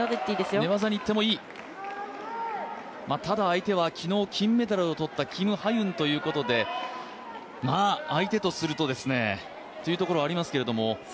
ただ、相手は昨日金メダルをとったキム・ハユンということで、相手とするとというところはありますが。